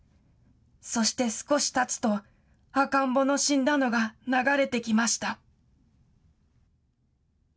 そして少したつと赤んぼの死んだのが流れてきました。